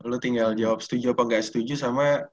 lu tinggal jawab setuju apa nggak setuju sama